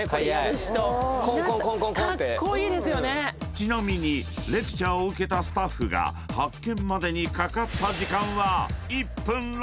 ［ちなみにレクチャーを受けたスタッフが発券までにかかった時間は］